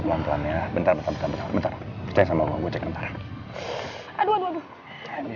pelan pelan ya bentar betar bentar betar bentar saya sama gua cek ntar aduh aduh ini